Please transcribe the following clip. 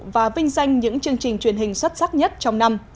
và vinh danh những chương trình truyền hình xuất sắc nhất trong năm